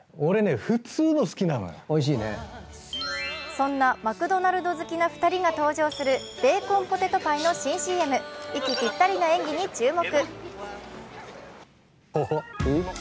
そんなマクドナルド好きな２人が登場するベーコンポテトパイの新ＣＭ息ぴったりな演技に注目。